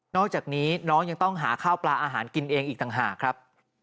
อกจากนี้น้องยังต้องหาข้าวปลาอาหารกินเองอีกต่างหากครับ